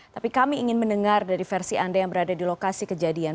tapi kami ingin mendengar dari versi anda yang berada di lokasi kejadian